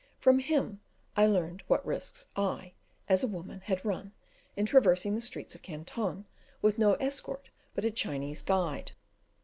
From him I learned what risks I, as a woman, had run in traversing the streets of Canton with no escort but a Chinese guide.